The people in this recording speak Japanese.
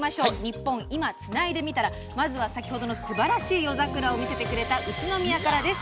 「ニッポン『今』つないでみたら」。まずは先ほどのすばらしい夜桜を見せてくれた、宇都宮からです。